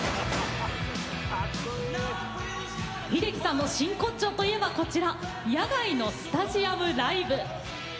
秀樹さんの真骨頂といえばこちら野外のスタジアムライブ。